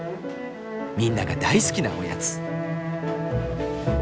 みんなが大好きなおやつ。